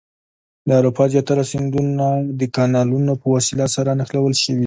د اروپا زیاتره سیندونه د کانالونو په وسیله سره نښلول شوي دي.